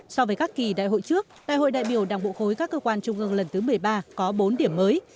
so với các kỳ đại hội trước đại hội đại biểu đảng bộ khối các cơ quan trung ương lần thứ một mươi ba có bốn điểm mới